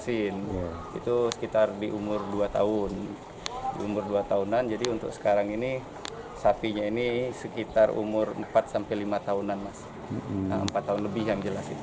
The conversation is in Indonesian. itu sekitar di umur dua tahun jadi untuk sekarang ini sapinya ini sekitar umur empat lima tahunan